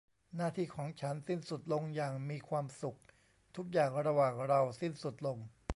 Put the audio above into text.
หน้าที่ของฉันสิ้นสุดลงอย่างมีความสุข ทุกอย่างระหว่างเราสิ้นสุดลง